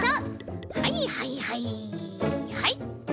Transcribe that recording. はいはいはいはい。